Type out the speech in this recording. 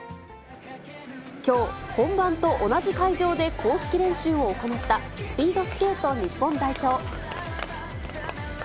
きょう、本番と同じ会場で公式練習を行ったスピードスケート日本代表。